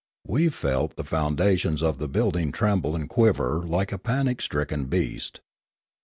We felt the foundations of the building tremble and quiver like a panic stricken beast.